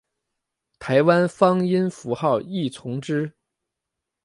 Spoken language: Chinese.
台湾方音符号亦从之。